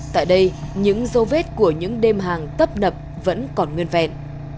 tại đây những dấu vết của những đêm hàng tấp nập vẫn còn nguyên vẹn